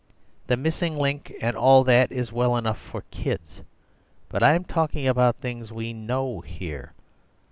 The Missing Link and all that is well enough for kids, but I'm talking about things we know here.